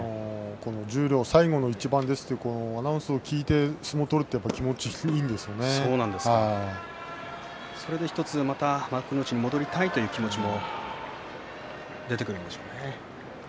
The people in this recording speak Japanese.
十両最後の一番ですというアナウンスを聞いて相撲を取るのはそれでまた１つ幕内に戻りたいという気持ちが出てくるでしょうね。